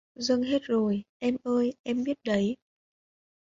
Dâng hết em rồi, em ơi em biết đấy